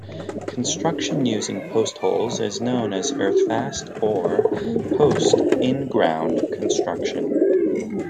Construction using postholes is known as earthfast or post in ground construction.